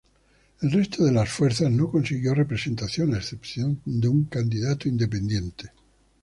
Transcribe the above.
El resto de las fuerzas no consiguió representación, a excepción de un candidato independiente.